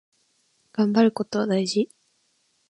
がんばることは大事。